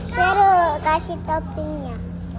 seru kasih toppingnya